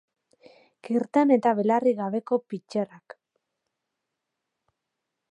Kirten eta belarri gabeko pitxerrak.